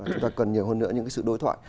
chúng ta cần nhiều hơn nữa những cái sự đối thoại